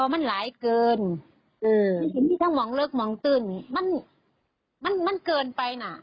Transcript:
มันหลายเกินถ้ามองเลิกมองตื่นมันเกินไปน่ะ